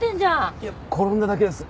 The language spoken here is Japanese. いや転んだだけです。